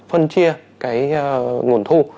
phân chia cái nguồn thu